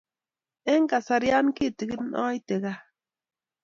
Eng' kasaria kitikin aite kaa.